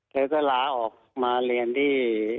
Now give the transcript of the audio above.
เธอก็ล้าออกมาเรียนที่